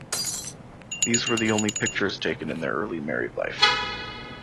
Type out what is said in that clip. These were the only pictures taken in their early married life.